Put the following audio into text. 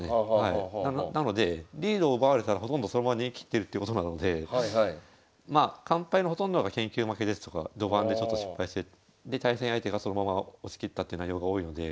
なのでリードを奪われたらほとんどそのまま逃げきってるってことなのでまあ完敗のほとんどが研究負けですとか序盤でちょっと失敗してで対戦相手がそのまま押し切ったって内容が多いので。